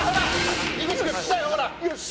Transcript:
よし！